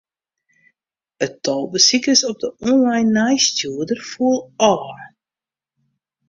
It tal besikers op de online nijsstjoerder foel ôf.